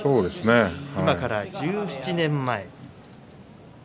今から１７年前です。